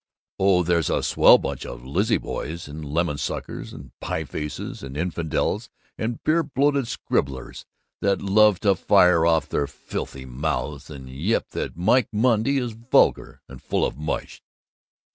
Oh, there's a swell bunch of Lizzie boys and lemon suckers and pie faces and infidels and beer bloated scribblers that love to fire off their filthy mouths and yip that Mike Monday is vulgar and full of mush.